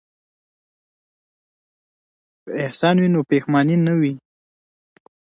که احسان وي نو پښیماني نه وي.